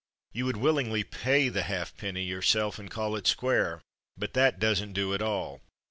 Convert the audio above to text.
You would willingly pay the half penny yourself and call it square, but that doesn't do at all.